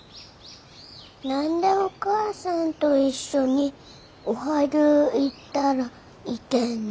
何でお母さんと一緒におはぎゅう売ったらいけんの？